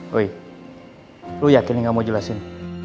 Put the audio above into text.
woy lo yakin yang gak mau jelasin